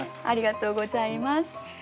ありがとうございます。